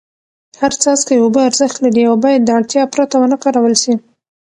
هر څاڅکی اوبه ارزښت لري او باید د اړتیا پرته ونه کارول سي.